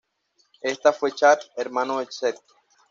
Este fue Chad, hermano de Cedd.